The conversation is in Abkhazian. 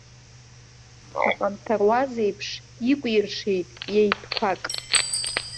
Аҟанҭаруаз еиԥш, икәиршеит иа итәқәак.